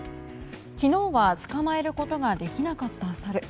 昨日は捕まえることができなかったサル。